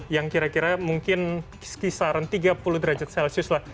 yang kira kira mungkin sekitar tiga puluh derajat celcius lah